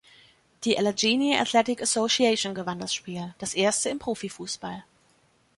Die Allegheny Athletic Association gewann das Spiel, das erste im Profifussball.